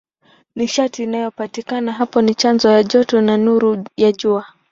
Nishati inayopatikana hapo ni chanzo cha joto na nuru ya Jua.